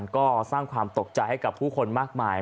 ก็สร้างความตกใจให้กับผู้คนมากมาย